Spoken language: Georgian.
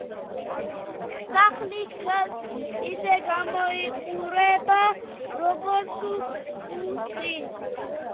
სახლი დღეს ისე გამოიყურება, როგორც უწინ.